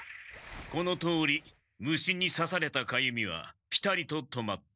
このとおり虫にさされたかゆみはピタリと止まった。